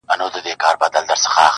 چي غلیم یې هم د سر هم د ټبر وي -